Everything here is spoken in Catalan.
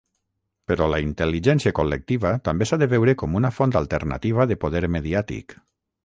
Però la intel·ligència col·lectiva també s'ha de veure com una font alternativa de poder mediàtic.